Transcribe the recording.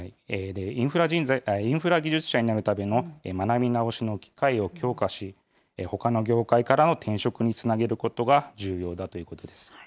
インフラ技術者になるための学び直しの機会を強化し、ほかの業界からの転職につなげることが重要だということです。